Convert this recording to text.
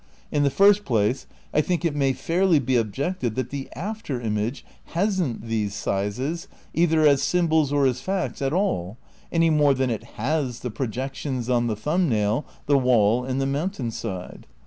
In the first place I think it may fairly be objected that the after image "has "n't these sizes, either as symbols or as facts, at all, any more than it "has" the projections on the thumb nail, the waU and the mountain side.